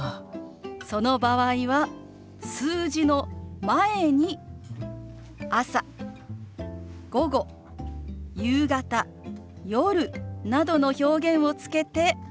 その場合は数字の前に「朝」「午後」「夕方」「夜」などの表現をつけて表すことが多いの。